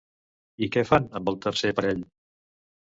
I què fan amb el tercer parell?